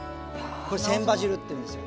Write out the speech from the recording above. これ船場汁っていうんですよ。